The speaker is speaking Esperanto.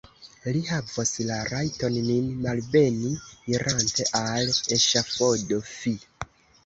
Li havos la rajton nin malbeni, irante al eŝafodo: fi!